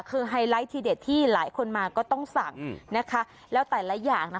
คือไฮไลท์ทีเด็ดที่หลายคนมาก็ต้องสั่งนะคะแล้วแต่ละอย่างนะ